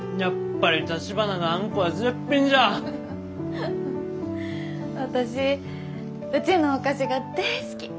フフフ私うちのお菓子が大好き。